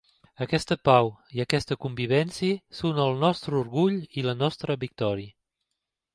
Aquesta pau i aquesta convivència són el nostre orgull i la nostra victòria.